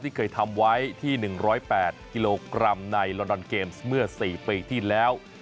เคยทำไว้ที่๑๐๘กิโลกรัมในลอนดอนเกมส์เมื่อ๔ปีที่แล้ว